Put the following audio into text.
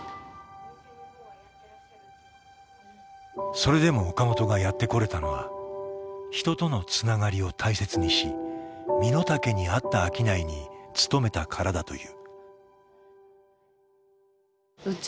それでも岡本がやってこれたのは人との繋がりを大切にし身の丈に合った商いに努めたからだという。